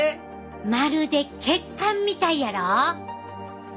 まるで血管みたいやろ？